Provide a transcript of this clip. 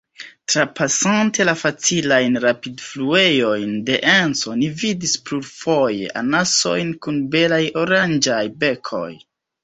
Trapasante la facilajn rapidfluejojn de Enco, ni vidis plurfoje anasojn kun belaj oranĝaj bekoj.